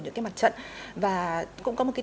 những cái mặt trận và cũng có một cái